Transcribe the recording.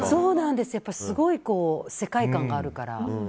すごい世界観があるから。